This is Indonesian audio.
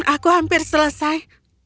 aku hampir selesai